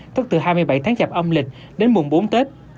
tức từ hai mươi bảy tháng chạp âm lịch đến mùng bốn tết